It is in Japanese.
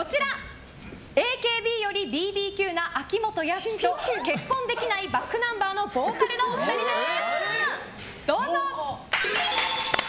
ＡＫＢよりＢＢＱな秋元康と結婚できないｂａｃｋｎｕｍｂｅｒのボーカルの２人です！